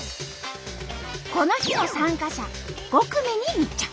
この日の参加者５組に密着。